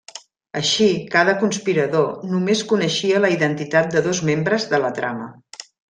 Així, cada conspirador només coneixia la identitat de dos membres de la trama.